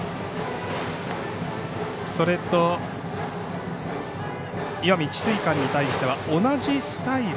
それと、石見智翠館に対しては同じスタイル。